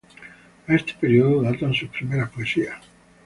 A este periodo datan sus primeras poesías.